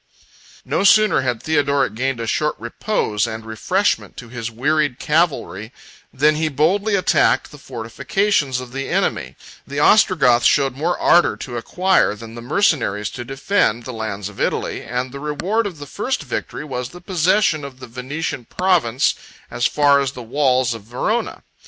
No sooner had Theodoric gained a short repose and refreshment to his wearied cavalry, than he boldly attacked the fortifications of the enemy; the Ostrogoths showed more ardor to acquire, than the mercenaries to defend, the lands of Italy; and the reward of the first victory was the possession of the Venetian province as far as the walls of Verona.